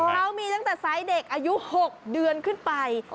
เขามีตั้งแต่ไซส์เด็กอายุ๖เดือนขึ้นไป